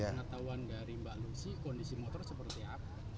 pengetahuan dari mbak lucy kondisi motor seperti apa